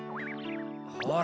ほら。